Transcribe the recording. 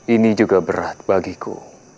ini juga berat bagiku